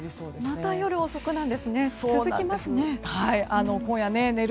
また夜遅くなんですね。